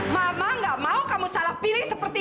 mama tidak mau kamu salah pilih seperti yang hampir pernah